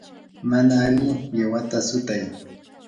mana alli qiwata sutay.